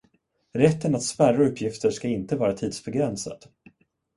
Rätten att spärra uppgifter ska inte vara tidsbegränsad.